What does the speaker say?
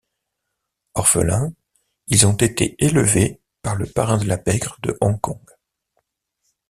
Orphelins, ils ont été élevés par le Parrain de la pègre de Hong Kong.